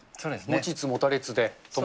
持ちつ持たれつで。